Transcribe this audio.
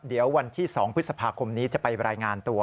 เดี๋ยววันที่๒พฤษภาคมนี้จะไปรายงานตัว